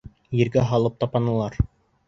Ергә һалып тапанылар!